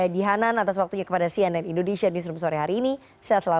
ada info mbak govipa akan mendangi praprawowo misalnya